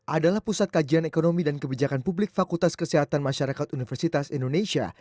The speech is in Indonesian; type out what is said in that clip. adalah pusat kajian ekonomi dan kebijakan publik fakultas kesehatan masyarakat universitas indonesia